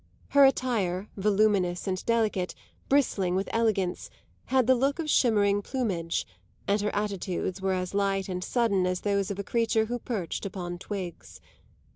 Her attire, voluminous and delicate, bristling with elegance, had the look of shimmering plumage, and her attitudes were as light and sudden as those of a creature who perched upon twigs.